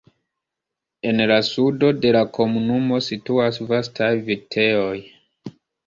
En la sudo de la komunumo situas vastaj vitejoj.